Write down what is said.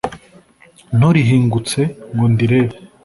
Nturihingutse ngo ndirebe